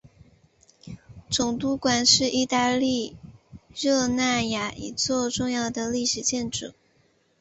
总督宫是意大利热那亚一座重要的历史建筑。